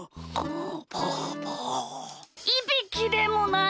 いびきでもないよ！